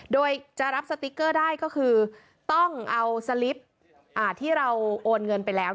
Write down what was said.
โดยจะรับสติ๊กเกอร์ได้ก็คือต้องเอาสลิปที่เราโอนเงินไปแล้ว